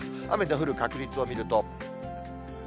雨の降る確率を見ると。